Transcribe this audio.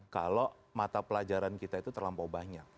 kalau mata pelajaran kita itu terlampau banyak